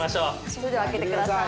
それでは開けてください。